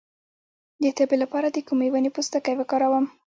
د تبې لپاره د کومې ونې پوستکی وکاروم؟